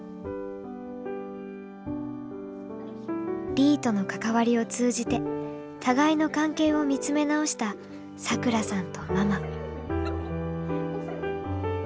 リィとの関わりを通じて互いの関係を見つめ直したサクラさんとママ。